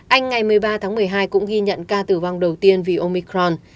anh ngày một mươi ba tháng một mươi hai cũng ghi nhận ca tử vong đầu tiên vì omicron